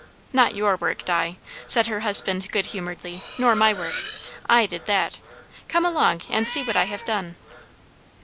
"Not your work, Di," said her husband good humouredly; "nor my work. I did that. Come along and see what I have done."